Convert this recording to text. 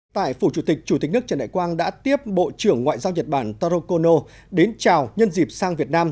tại phủ chủ tịch chủ tịch nước trần đại quang đã tiếp bộ trưởng ngoại giao nhật bản taro kono đến chào nhân dịp sang việt nam